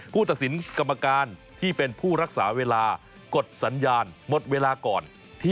ผู้ตัดสินกรรมการที่เป็นผู้รักษาเวลากดสัญญาณหมดเวลาก่อน